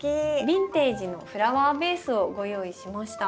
ビンテージのフラワーベースをご用意しました。